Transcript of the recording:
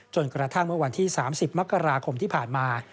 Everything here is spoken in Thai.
กระทั่งเมื่อวันที่๓๐มกราคมที่ผ่านมา